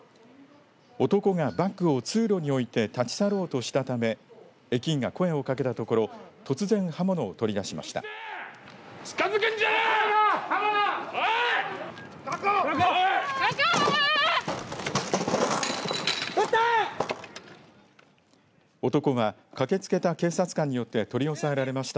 男がバッグを通路に置いて立ち去ろうとしたため駅員が声をかけたところ突然刃物を取り出しました。